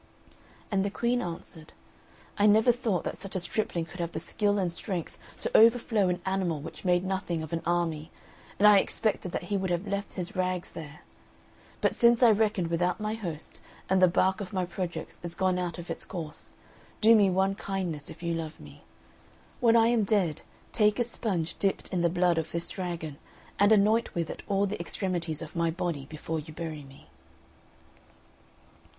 And the Queen answered, "I never thought that such a stripling could have the skill and strength to overthrow an animal which made nothing of an army, and I expected that he would have left his rags there. But since I reckoned without my host, and the bark of my projects is gone out of its course, do me one kindness if you love me. When I am dead, take a sponge dipped in the blood of this dragon and anoint with it all the extremities of my body before you bury me."